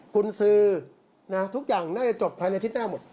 คุณซื้อทุกอย่างน่าจะจบภายในอาทิตย์หน้าหมด